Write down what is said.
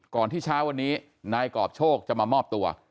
ที่เช้าวันนี้นายกรอบโชคจะมามอบตัว